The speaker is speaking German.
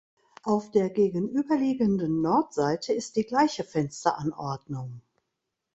Auf der gegenüberliegenden Nordseite ist die gleiche Fensteranordnung.